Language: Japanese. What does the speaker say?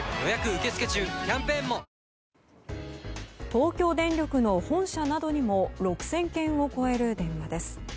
東京電力の本社などにも６０００件を超える嫌がらせ電話です。